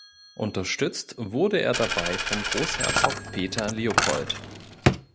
Unterstützt wurde er dabei von Großherzog Peter Leopold.